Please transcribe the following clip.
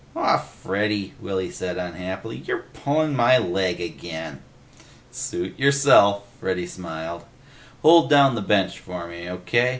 "Aw, Freddy," Willy said unhappily. "You're pullin' my leg again!" "Suit yourself," Freddy smiled. "Hold down the bench for me, O.K.?